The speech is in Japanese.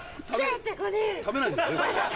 食べないんですね？